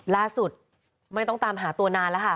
ล่าสุดไม่ต้องตามหาตัวนานแล้วค่ะ